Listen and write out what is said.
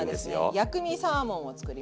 薬味サーモンを作ります